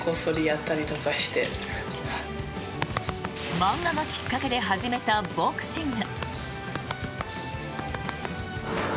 漫画がきっかけで始めたボクシング。